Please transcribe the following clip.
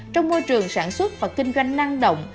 trong môi trường sản xuất và kinh doanh năng động